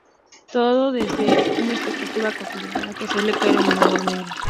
Todo, desde una perspectiva cotidiana que suele caer en un humor negro.